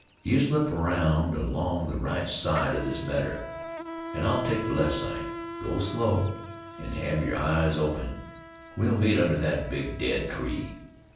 "You slip around along the right side of this meader, an' I'll take the left side. Go slow, an' hev yer eyes open. We'll meet under thet big dead tree.